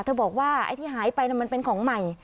บอกว่าไอ้ที่หายไปมันเป็นของใหม่